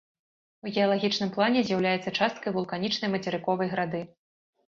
У геалагічным плане з'яўляюцца часткай вулканічнай мацерыковай грады.